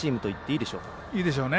いいでしょうね。